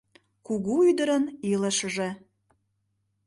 Кугу ӱдырын илышыже